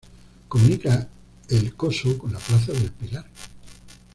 Comunica El Coso con la plaza del Pilar.